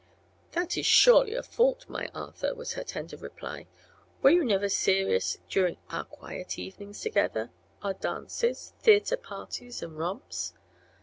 "That is surely a fault, my Arthur," was her tender reply. "Were you never serious during our quiet evenings together; our dances, theatre parties and romps?"